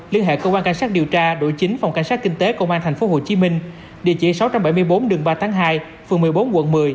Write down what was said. liên hệ cơ quan cảnh sát điều tra đội chính phòng cảnh sát kinh tế công an tp hcm địa chỉ sáu trăm bảy mươi bốn đường ba tháng hai phường một mươi bốn quận một mươi